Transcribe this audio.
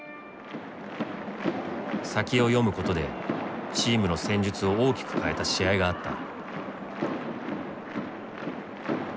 先を読むことでチームの戦術を大きく変えた試合があった。